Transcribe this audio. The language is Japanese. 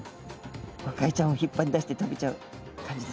ゴカイちゃんを引っ張り出して食べちゃう感じです。